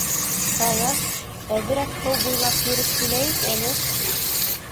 Саяф, әҙерәк һыу буйлап йөрөп киләйек әле?